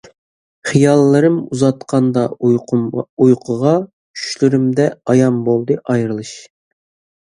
خىياللىرىم ئۇزاتقاندا ئۇيقۇغا، چۈشلىرىمدە ئايان بولدى ئايرىلىش.